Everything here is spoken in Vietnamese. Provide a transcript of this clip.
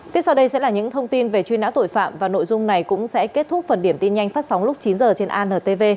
tiếp sau đây sẽ là những thông tin về truy nã tội phạm và nội dung này cũng sẽ kết thúc phần điểm tin nhanh phát sóng lúc chín h trên antv